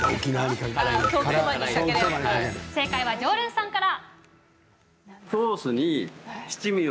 正解は常連さんから。